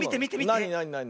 なになになになに？